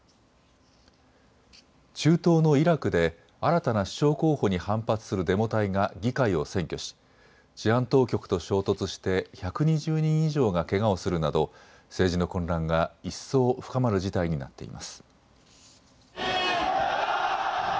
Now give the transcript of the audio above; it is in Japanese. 中東のイラクで新たな首相候補に反発するデモ隊が議会を占拠し治安当局と衝突して１２０人以上がけがをするなど政治の混乱が一層、深まる事態になっています。